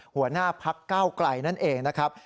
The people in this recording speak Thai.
หัวหน้าพักเก้าไกลนั่นเองนะครับ